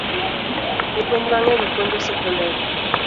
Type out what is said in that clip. Jopuony mangeny puonjo sekodari